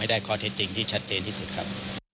ได้ข้อเท็จจริงที่ชัดเจนที่สุดครับ